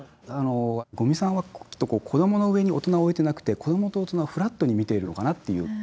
五味さんはきっと子供の上に大人を置いてなくて子供と大人をフラットに見ているのかなっていう。